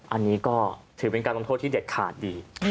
อันนี้ก็ถือเป็นการลงโทษที่เด็ดขาดดี